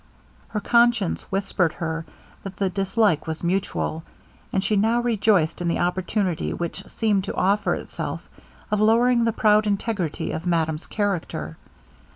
Her conscience whispered her that the dislike was mutual; and she now rejoiced in the opportunity which seemed to offer itself of lowering the proud integrity of madame's character.